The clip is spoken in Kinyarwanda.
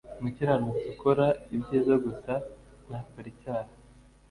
umukiranutsi ukora ibyiza gusa ntakore icyaha